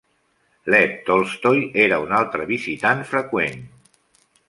Lev Tolstoi era un altre visitant freqüent.